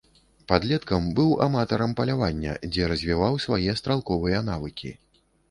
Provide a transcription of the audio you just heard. Падлеткам быў аматарам палявання, дзе развіваў свае стралковыя навыкі.